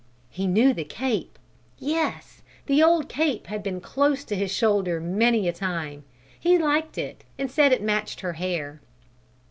He knew the cape! Yes, the old cape had been close to his shoulder many a time. He liked it and said it matched her hair.